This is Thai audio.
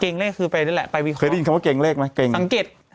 เลขคือไปนั่นแหละไปวิเคราะห์เคยได้ยินคำว่าเกรงเลขไหมเกรงสังเกต